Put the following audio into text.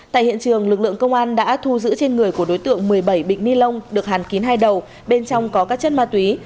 tại hiện trường lực lượng công an đã thu giữ trên người của đối tượng một mươi bảy bịch ni lông được hàn kín hai đầu bên trong có các chất ma túy